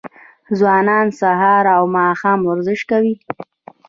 ځوانان سهار او ماښام ورزش کوي.